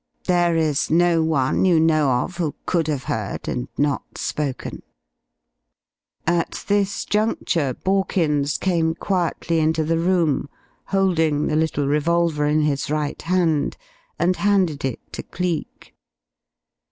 There is no one you know of who could have heard and not spoken?" At this juncture Borkins came quietly into the room, holding the little revolver in his right hand, and handed it to Cleek.